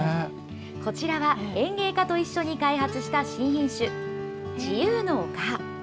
こちらは園芸家と一緒に開発した新品種、自由の丘。